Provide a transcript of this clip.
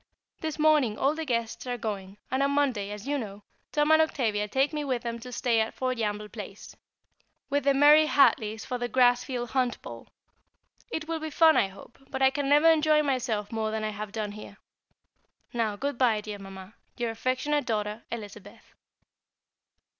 This morning all the guests are going, and on Monday, as you know, Tom and Octavia take me with them to stay at Foljambe Place, with the Murray Hartleys for the Grassfield Hunt Ball. It will be fun, I hope, but I can never enjoy myself more than I have done here. Now, good bye, dear Mamma, your affectionate daughter, Elizabeth.